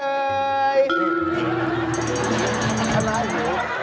ถ้าน้าหิว